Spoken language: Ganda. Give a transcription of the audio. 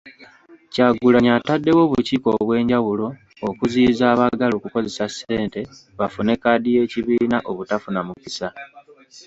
Kyagulanyi ataddewo obukiiko obwenjawulo okuziyiza abaagala okukozesa ssente bafune kkaadi y'ekibiina obutafuna mukisa.